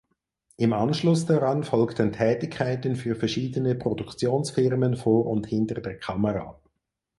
Im Anschluss daran folgten Tätigkeiten für verschiedene Produktionsfirmen vor und hinter der Kamera.